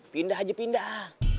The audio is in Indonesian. pindah aja pindah